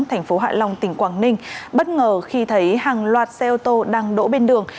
thành phố hạ long tỉnh quảng ninh bất ngờ khi thấy hàng loạt xe ô tô đang đổ bên đường